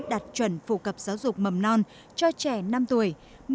đạt chuẩn phổ cập giáo dục mầm non cho trẻ năm tuổi